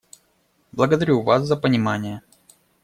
Благодарю вас за понимание.